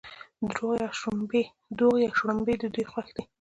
دوغ یا شړومبې د دوی خوښ دي.